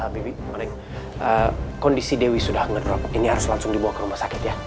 bibi kondisi dewi sudah nge drop ini harus langsung dibawa ke rumah sakit ya